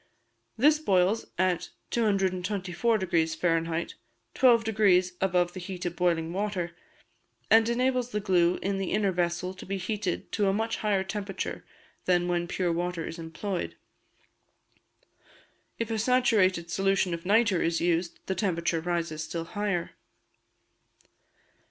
This boils at 224° Fahr., 12° above the heat of boiling water, and enables the glue in the inner vessel to be heated to a much higher temperature than when pure water is employed. If a saturated solution of nitre is used, the temperature rises still higher.